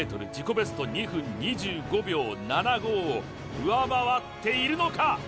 ベスト２分２５秒７５を上回っているのか？